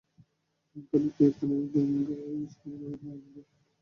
খালি পায়ে পানি ভাইঙ্গা ইস্কুলে আওনে আমরার পাওয়ের মধ্যে চুলকানি অইতাছে।